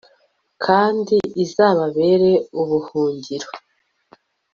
kandi izababere ubuhungiro